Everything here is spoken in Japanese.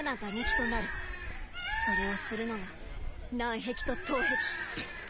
それをするのが南壁と東壁！